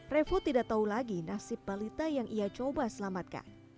revo tidak tahu lagi nasib balita yang ia coba selamatkan